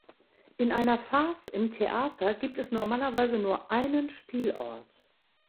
In einer Farce im Theater gibt es normalerweise nur einen Spielort.